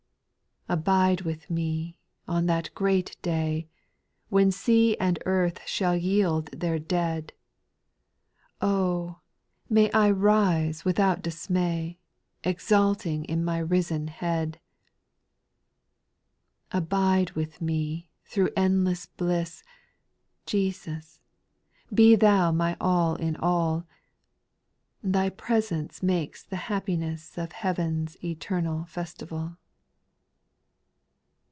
SPIRITUAL 80XOS. 269 5. " Abide with me " on that great day, When sea and earth shall yield their dead ; Oh ! may I rise without dismay, Exulting in my risen Head I 6. " Abide with me " through endless bliss ; Jesus, be Thou my " All in all ;" Thy presence makes the happiness Of heaven's eternal festival.